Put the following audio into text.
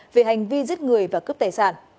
về hành vi giết người và cướp tài sản